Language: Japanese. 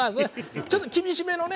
ちょっと厳しめのね